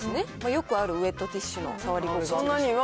よくあるウエットティッシュの触り心地。